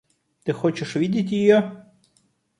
Ты хочешь видеть ее?